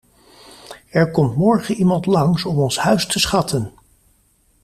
Er komt morgen iemand langs om ons huis te schatten.